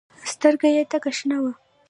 سترګه يې تکه شنه وه.